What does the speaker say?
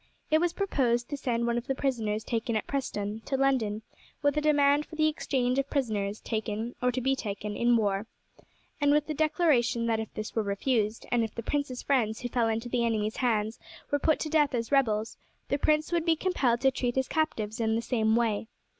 It was proposed to send one of the prisoners taken at Preston to London with a demand for the exchange of prisoners taken or to be taken in the war, and with the declaration that if this were refused, and if the prince's friends who fell into the enemy's hands were put to death as rebels, the prince would be compelled to treat his captives in the same way.